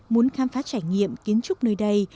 muốn khám phá trải nghiệm kiến trúc nơi đây